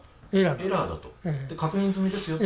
で確認済みですよと？